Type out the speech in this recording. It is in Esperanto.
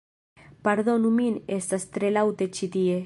Pardonu min estas tre laŭte ĉi tie